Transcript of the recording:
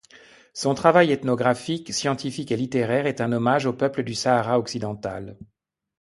Son travail ethnographique, scientifique et littéraire est un hommage aux peuples du Sahara occidental.